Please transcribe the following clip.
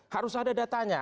harus ada datanya